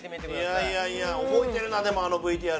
いやいやいや覚えてるなでもあのＶＴＲ。